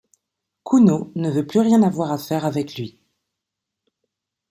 Kuno ne veut plus rien avoir affaire avec lui.